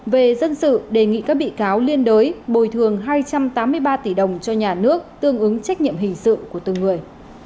về dân sự đề nghị các bị cáo liên đới bồi thường hai trăm tám mươi ba tỷ đồng cho nhà nước tương ứng trách nhiệm hình sự của từng người